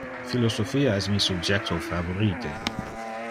Philosophia es mi subjecto favorite.